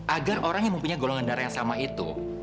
agar orang yang mempunyai golongan darah yang sama itu